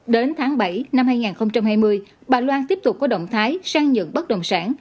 đến tháng bảy năm hai nghìn hai mươi bà loan tiếp tục có động thái sang nhượng bất động sản